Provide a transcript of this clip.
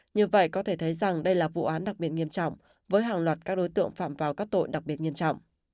như vậy có thể thấy rằng đây là vụ án đặc biệt nghiêm trọng với hàng loạt các đối tượng phạm vào các tội đặc biệt nghiêm trọng